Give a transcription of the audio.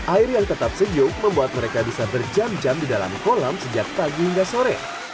air yang tetap sejuk membuat mereka bisa berjam jam di dalam kolam sejak pagi hingga sore